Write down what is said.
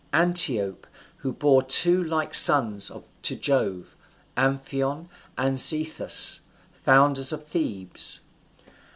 Antiope, who bore two like sons to Jove, Amphion and Zethus, founders of Thebes.